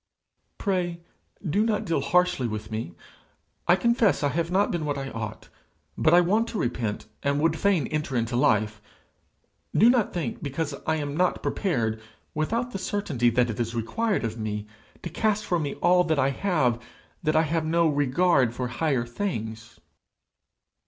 'Pray, do not deal harshly with me. I confess I have not been what I ought, but I want to repent, and would fain enter into life. Do not think, because I am not prepared, without the certainty that it is required of me, to cast from me all I have that I have no regard for higher things.'